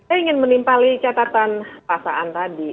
saya ingin menimpali catatan pasaan tadi